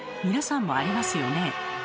皆さんもありますよね？